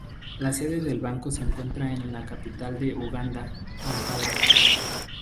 La sede del banco se encuentra en la capital de Uganda, Kampala.